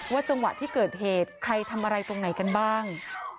จังหวะที่เกิดเหตุใครทำอะไรตรงไหนกันบ้าง